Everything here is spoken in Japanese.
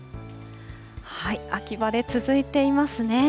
秋晴れ続いていますね。